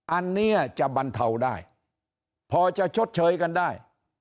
อันนี้จะบรรเทาได้พอจะชดเชยกันได้